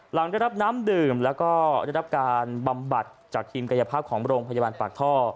หลังได้รับน้ำดื่มแล้วก็ได้รับการบำบัดจากทีมกายภาพของโรงพยาบาลปากท่อ